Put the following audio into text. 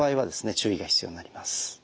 注意が必要になります。